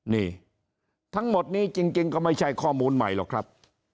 นี่ทั้งหมดนี้จริงก็ไม่ใช่ข้อมูลใหม่หรอกครับ